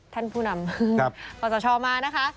ท่านผู้นำขอสชมานะคะ